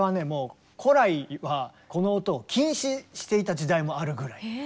もう古来はこの音を禁止していた時代もあるぐらい。